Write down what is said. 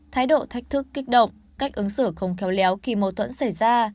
thái độ thách thức kích động cách ứng xử không khéo léo khi mâu thuẫn xảy ra